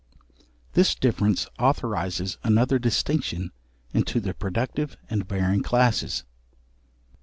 This difference authorises another distinction into the productive and barren classes.